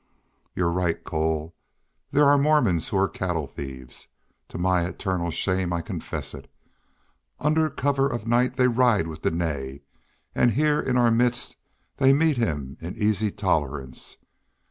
"You're right, Cole. There are Mormons who are cattle thieves. To my eternal shame I confess it. Under cover of night they ride with Dene, and here in our midst they meet him in easy tolerance.